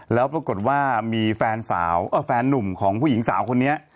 แล้วปรากฏว่ามีแฟนสาวแฟนนุ่มของผู้หญิงสาวคนนี้